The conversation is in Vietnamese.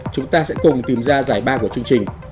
chúng ta sẽ cùng tìm ra giải ba của chương trình